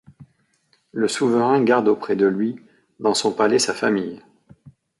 Le souverain garde auprès de lui dans son palais sa famille.